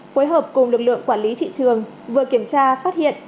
phối hợp cùng lực lượng quản lý thị trường vừa kiểm tra phát hiện